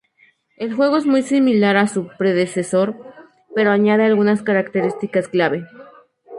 El juego es muy similar a su predecesor, pero añade algunas características clave.